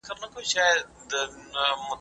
تاسي ولي د پښتو په ليکلو کي تېروتنې کولې؟